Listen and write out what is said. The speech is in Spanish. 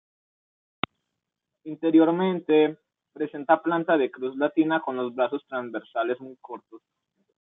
Interiormente presenta planta de cruz latina con los brazos transversales muy cortos.